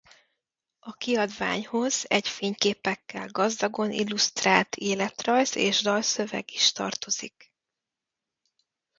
A kiadványhoz egy fényképekkel gazdagon illusztrált életrajz és dalszöveg is tartozik.